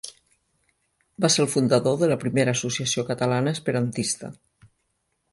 Va ser el fundador de la primera associació catalana esperantista.